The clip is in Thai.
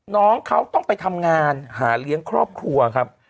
น้องเขาต้องไปทำงานหาเลี้ยงครอบครัวครับ